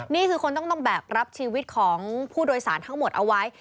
นี่คือคนต้องแบกรับชีวิตของผู้โดยสารทั้งหมดเอาไว้